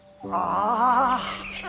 ああ。